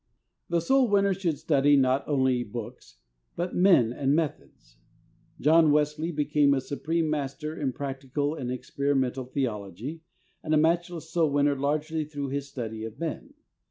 The soul winner should study not only books, but men and methods. John Wesley became a supreme master in practical and 66 THE soul winner's SECRET. experimental theology and a matchless soul winner largely through his study of men.